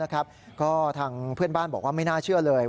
ก็ทางเพื่อนบ้านบอกว่าไม่น่าเชื่อเลย